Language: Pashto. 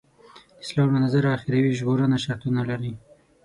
د اسلام له نظره اخروي ژغورنه شرطونه لري.